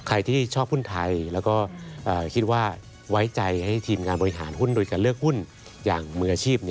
ใครที่ชอบหุ้นไทยแล้วก็คิดว่าไว้ใจให้ทีมงานบริหารหุ้นโดยการเลือกหุ้นอย่างมืออาชีพ